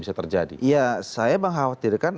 bisa terjadi ya saya mengkhawatirkan